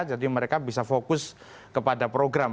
jadi mereka bisa fokus kepada program